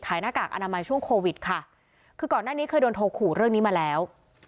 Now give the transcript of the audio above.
หน้ากากอนามัยช่วงโควิดค่ะคือก่อนหน้านี้เคยโดนโทรขู่เรื่องนี้มาแล้ว